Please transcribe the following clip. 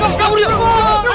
hantu tanpa kepala